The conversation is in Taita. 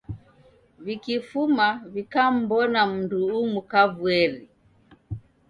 W'ikifuma w'ikammbona mundu umu kavueri.